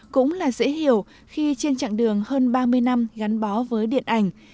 cũng là dễ hiểu khi trên chặng đường hơn ba mươi năm gắn bó với điện ảnh